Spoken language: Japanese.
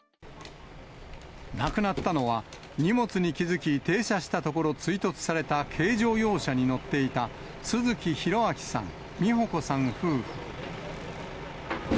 亡くなったのは、荷物に気付き、停車したところ、追突された軽乗用車に乗っていた都築弘明さん、美保子さん夫婦。